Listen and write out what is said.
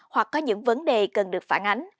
hoặc có những vấn đề cần được phản ánh